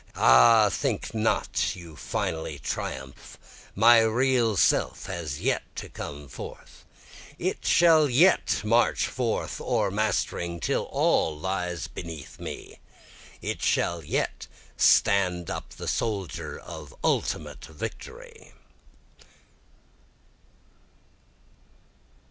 Ah think not you finally triumph, my real self has yet to come forth, It shall yet march forth o'ermastering, till all lies beneath me, It shall yet stand up the soldier of ultimate victory.